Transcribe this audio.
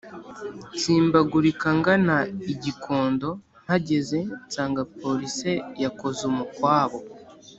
Nsimbagurika ngana i Gikondo mpageze nsanga police yakoze umukwabo